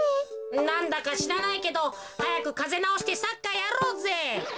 なんだかしらないけどはやくカゼなおしてサッカーやろうぜ。